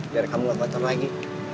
biar kamu gak kotor lagi